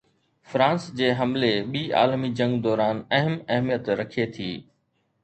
France جي حملي ٻي عالمي جنگ دوران اهم اهميت رکي ٿي.